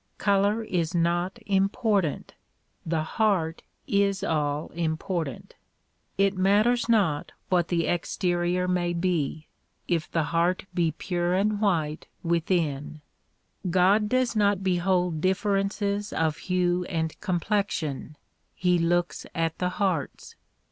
Color is not important ; the heart is all important. It matters not what the exterior may 42 THE PROMULGATION OF UNIVERSAL PEACE be if the heart be pure and white within. God does not behold ditferenees of hue and complexion; he looks at the hearts.